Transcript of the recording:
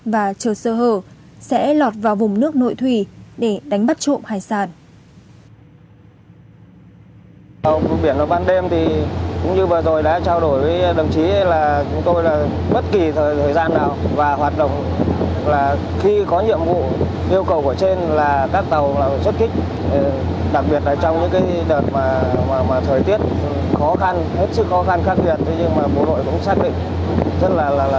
và chờ sơ hờ sẽ lọt vào vùng nước nội thủy để đánh bắt trộm hải sản